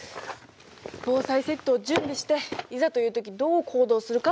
防災セットを準備していざという時どう行動するか考えておく。